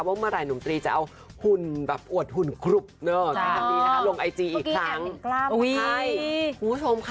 ว่าเมื่อไหร่หนุ่มตรีจะเอาหุ่นแบบอวดหุ่นคลูบ